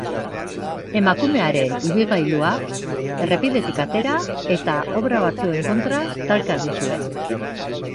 Emakumearen ibilgailua errepidetik atera eta obra batzuen kontra talka egin zuen.